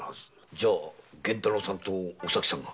じゃあ源太郎さんとお咲さんが？